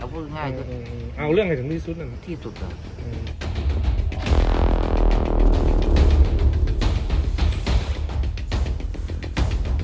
เชื่อถือค่ะอืออืมมันทำให้วงการเสื่อมเศรียะเรียกตัว